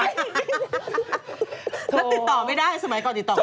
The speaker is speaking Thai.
แล้วติดต่อไม่ได้สมัยก่อนติดต่อไม่ได้